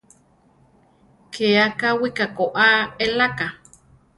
Ké akáwika koá eláka.